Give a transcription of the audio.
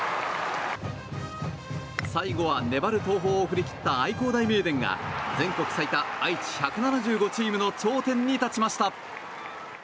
最後は粘る東邦を振り切った愛工大名電が全国最多、愛知１７５チームの頂点に立ちました。